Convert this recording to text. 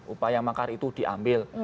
upaya makar itu diambil